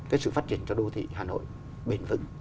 cái sự phát triển cho đô thị hà nội bền vững